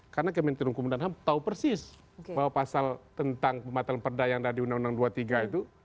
karena kementerian hukum dan ham tahu persis bahwa pasal tentang pembatalan perda yang ada di undang undang dua puluh tiga itu